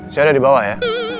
saya ada di bawah ya